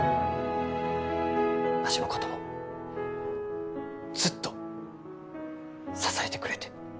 わしのこともずっと支えてくれて。